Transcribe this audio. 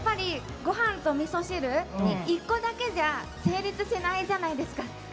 ごはんとみそ汁一個だけじゃ成立しないじゃないですか。